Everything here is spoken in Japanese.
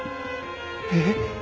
えっ？